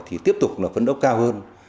thì tiếp tục phấn đấu cao hơn